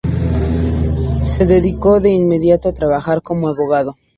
Se dedicó de inmediato a trabajar como abogado.